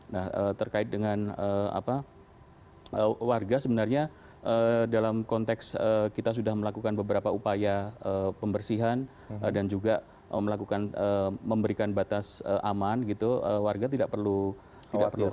nah terkait dengan warga sebenarnya dalam konteks kita sudah melakukan beberapa upaya pembersihan dan juga memberikan batas aman gitu warga tidak perlu khawatir sebenarnya gitu bahwa silahkan tetap beraktifitas